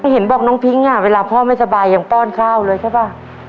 เห็นบอกน้องพิ้งเวลาพ่อไม่สบายยังป้อนข้าวเลยใช่ป่ะ